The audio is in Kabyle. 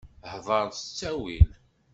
Hḍeṛ s ttawil!